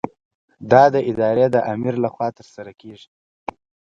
دا د ادارې د آمر له خوا ترسره کیږي.